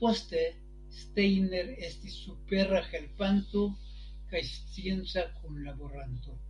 Poste Steiner estis supera helpanto kaj scienca kunlaboranto.